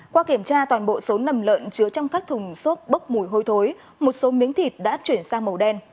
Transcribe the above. qua kiểm tra toàn bộ số nầm lợn chứa trong các thùng xốp bốc mùi hôi thối một số miếng thịt đã chuyển sang màu đen